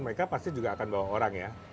mereka pasti juga akan bawa orang ya